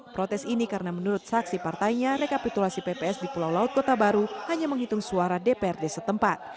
protes ini karena menurut saksi partainya rekapitulasi pps di pulau laut kota baru hanya menghitung suara dprd setempat